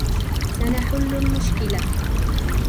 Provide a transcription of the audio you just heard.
سنحل المشكلة.